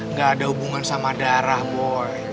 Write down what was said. nggak ada hubungan sama darah boleh